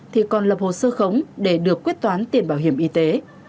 thì còn lập hồ sơ khống để được quyết toán tiền bảo hiểm y tế